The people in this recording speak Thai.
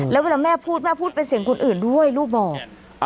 แล้วเวลาแม่พูดแม่พูดเป็นเสียงคนอื่นด้วยลูกบอก